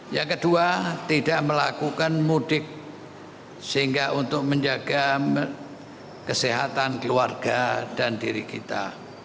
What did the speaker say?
yang kedua tidak melakukan mudik sehingga untuk menjaga kesehatan keluarga dan diri kita